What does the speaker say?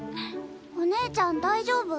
おねえちゃん大丈夫？